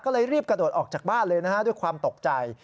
ก็เลยรีบกระโดดออกจากบ้านเลยนะฮะด้วยความตกใจ